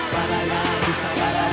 mana yang disalah yang nyata